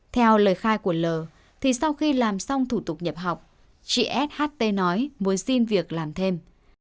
theo lời khai của l thì sau khi làm xong thủ tục nghiệp học chị s h t nói muốn xin việc làm thêm